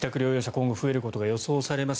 今後増えることが予想されます。